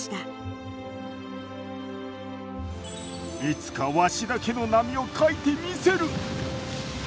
いつかわしだけの波を描いてみせる。